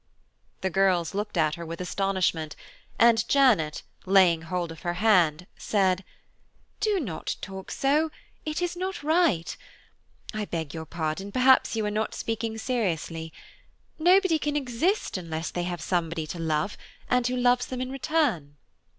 '" The girls looked at her with astonishment, and Janet, laying hold of her hand, said, "Do not talk so, it is not right–I beg your pardon, perhaps you are not speaking seriously. Nobody can exist unless they have somebody to love, and who loves them in return."